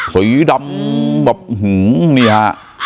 สีดำแบบนี่ฮะ